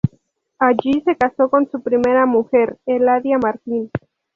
Allí se casó con su primera mujer, Eladia Martín.